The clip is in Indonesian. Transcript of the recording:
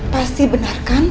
pasti benar kan